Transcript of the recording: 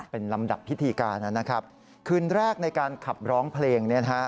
เป็นลำดับพิธีการนะครับคืนแรกในการขับร้องเพลงเนี่ยนะฮะ